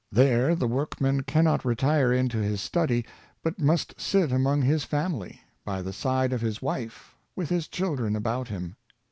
There the workman cannot retire into his study, but must sit among his family, by the side of his 28 Amusement, wife, with his children about him.